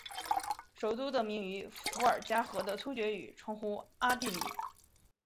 首都得名于伏尔加河的突厥语称呼阿的里。